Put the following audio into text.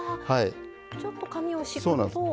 ちょっと紙を敷くと。